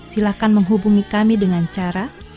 silahkan menghubungi kami dengan cara